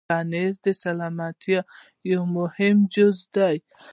پنېر د سلامتیا یو مهم جز دی.